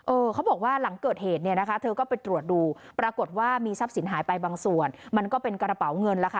เขาบอกว่าหลังเกิดเหตุเนี่ยนะคะเธอก็ไปตรวจดูปรากฏว่ามีทรัพย์สินหายไปบางส่วนมันก็เป็นกระเป๋าเงินแล้วค่ะ